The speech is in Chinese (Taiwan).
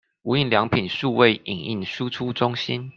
無印良品數位影印輸出中心